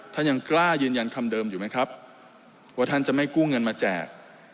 ท่านยังกล้ายืนยันคำเดิมอยู่ไหมครับว่าท่านจะไม่กู้เงินมาแจก